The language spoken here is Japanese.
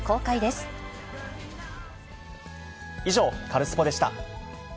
以上、カルスポっ！でした。